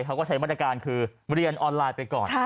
เขาก็ใช้มาตรการคือเรียนออนไลน์ไปก่อน